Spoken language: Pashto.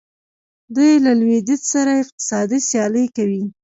دوی له لویدیځ سره اقتصادي سیالي کوي.